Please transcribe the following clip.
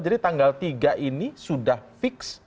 jadi tanggal tiga ini sudah fix